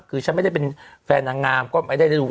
คือฉันไม่ได้เป็นแฟนนางงามก็ไม่ได้ได้รู้